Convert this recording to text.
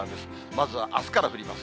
まずはあすから降ります。